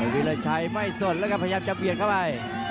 วิลาชัยไม่ส่วนแล้วก็พยายามจะเปลี่ยนเข้าไป